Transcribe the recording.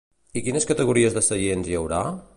I quines categories de seients hi haurà?